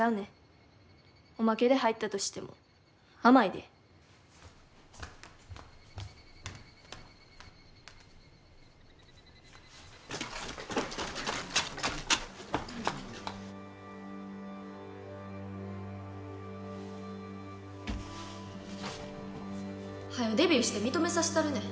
おまけで入ったとしても甘いで。はよデビューして認めさせたるねん。